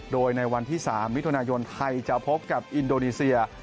โดยในวันที่๓มิถุนายนไทยจะพบกับอินโดนีเซีย